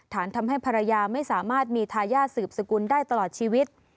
ทำให้ภรรยาไม่สามารถมีทายาทสืบสกุลได้ตลอดชีวิต